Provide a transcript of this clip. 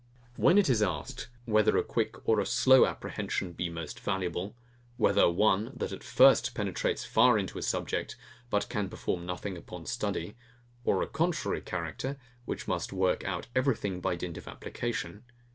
When it is asked, whether a quick or a slow apprehension be most valuable? Whether one, that, at first view, penetrates far into a subject, but can perform nothing upon study; or a contrary character, which must work out everything by dint of application?